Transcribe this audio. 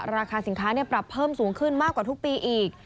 ราคาสินค้าปรับเพิ่มสูงขึ้นมากกว่าทุกปีอีก